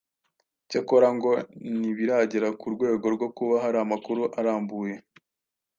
cyakora ngo ntibiragera ku rwego rwo kuba hari amakuru arambuye